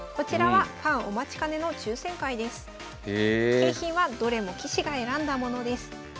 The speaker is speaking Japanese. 景品はどれも棋士が選んだものです。